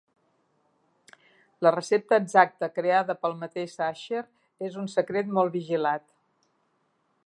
La recepta exacta creada pel mateix Sacher és un secret molt vigilat.